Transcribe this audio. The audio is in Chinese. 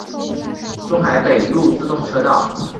东海北陆自动车道。